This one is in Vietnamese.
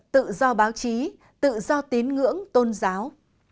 tự do báo chí tự do tín ngưỡng tôn giáo